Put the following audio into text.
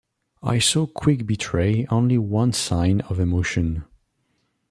I saw Quick betray only one sign of emotion.